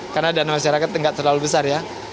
karena dana masyarakat nggak terlalu besar ya